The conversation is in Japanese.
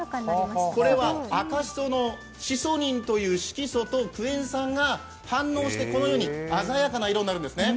これは赤しそのシソニンという色素とクエン酸が反応して、このように鮮やかな色になるんですね。